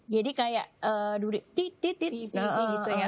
jadi kayak duri titit gitu ya